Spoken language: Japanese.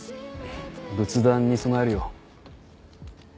仏壇に供えるよ。